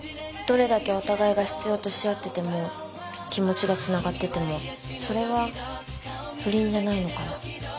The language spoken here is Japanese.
どれだけお互いが必要とし合ってても気持ちがつながっててもそれは不倫じゃないのかな？